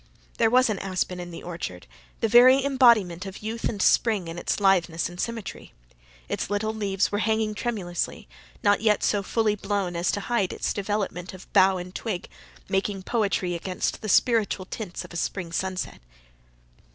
There was an aspen in the orchard, the very embodiment of youth and spring in its litheness and symmetry. Its little leaves were hanging tremulously, not yet so fully blown as to hide its development of bough and twig, making poetry against the spiritual tints of a spring sunset.